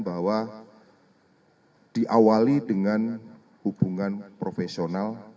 bahwa diawali dengan hubungan profesional